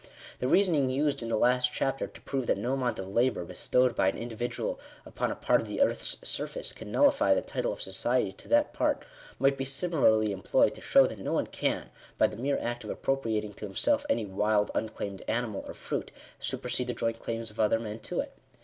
The reasoning used in the last chapter to prove that no amount of labour, bestowed by an individual upon a part of the earth's surface, can nullify the title of society to that part, might be similarly employed to show that no one can, by the mere act of appropriating to himself any wild unclaimed animal or fruit, supersede the joint claims of other men to it.